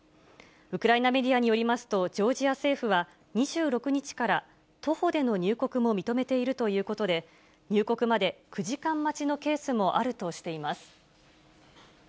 ウクライナメディアによりますと、ジョージア政府は２６日から徒歩での入国も認めているということで、入国まで９時間待ちのケースもあるとしています。